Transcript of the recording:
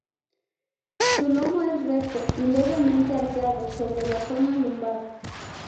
Su lomo es recto y levemente arqueado sobre la zona lumbar.